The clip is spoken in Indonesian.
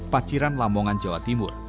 paciran lambongan jawa timur